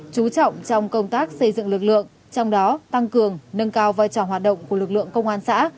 chú trọng trong công tác xây dựng lực lượng trong đó tăng cường nâng cao vai trò hoạt động của lực lượng công an xã